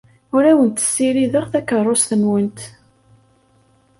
Ur awent-ssirideɣ takeṛṛust-nwent.